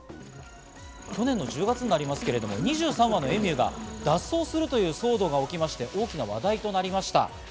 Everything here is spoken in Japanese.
去年の１０月になりますけれども、２３羽のエミューが脱走するという騒動が起きまして大きな話題となりました。